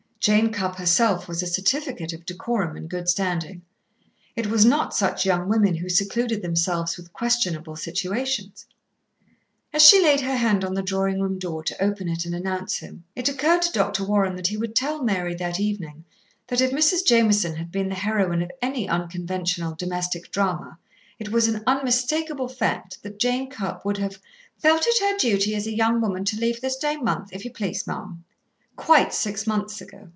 Jane Cupp herself was a certificate of decorum and good standing. It was not such young women who secluded themselves with questionable situations. As she laid her hand on the drawing room door to open it and announce him, it occurred to Dr. Warren that he would tell Mary that evening that if Mrs. Jameson had been the heroine of any unconventional domestic drama it was an unmistakable fact that Jane Cupp would have "felt it her duty as a young woman to leave this day month, if you please, ma'am," quite six months ago.